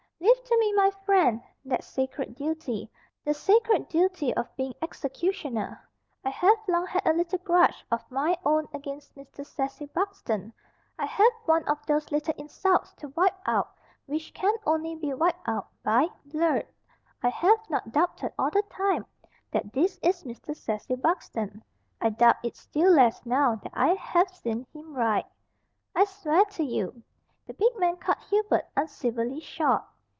"Leave to me, my friend, that sacred duty the sacred duty of being executioner. I have long had a little grudge of my own against Mr. Cecil Buxton. I have one of those little insults to wipe out which can only be wiped out by blood. I have not doubted all the time that this is Mr. Cecil Buxton. I doubt it still less now that I have seen him write." "I swear to you " The big man cut Hubert uncivilly short.